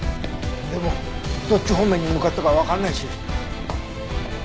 でもどっち方面に向かったかはわからないし。